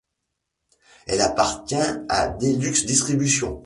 Elle appartient à Deluxe Distribution.